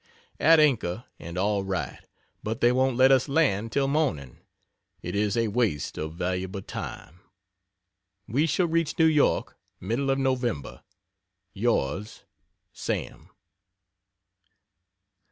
At anchor and all right, but they won't let us land till morning it is a waste of valuable time. We shall reach New York middle of November. Yours, SAM.